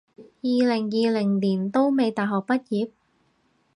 二零二零年都未大學畢業？